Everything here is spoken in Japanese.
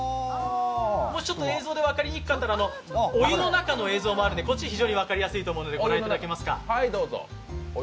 もし映像で分かりにくかったらお湯の中の映像もありますのでこっちは非常に分かりやすいと思うのでご覧いただきます。